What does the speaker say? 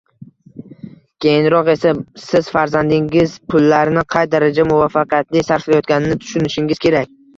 keyinroq esa siz farzandingiz pullarini qay darajada muvaffaqiyatli sarflayotganligini tushunishingiz kerak.